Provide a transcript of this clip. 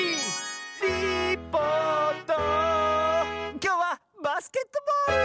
きょうは「バスケットボール」！